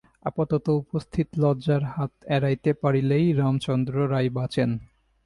আপাতত উপস্থিত লজ্জার হাত এড়াইতে পারিলেই রামচন্দ্র রায় বাঁচেন।